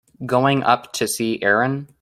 Going up to see Erin.